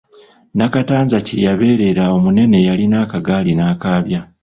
Nakatanza kye yabeerera omunene Yalinnya akagaali n'akaabya!